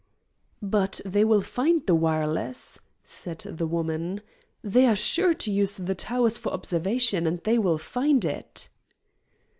"But they will find the wireless," said the woman. "They are sure to use the towers for observation, and they will find it."